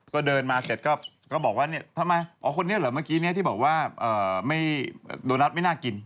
ก็เดินมาเสร็จก็บอกว่าเนี่ยทำไมอ๋อคนนี้เหรอเมื่อกี้ที่บอกว่าโดนัทไม่น่ากิน